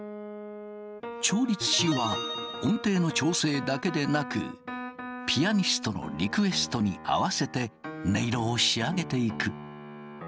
調律師は音程の調整だけでなくピアニストのリクエストに合わせて音色を仕上げていく。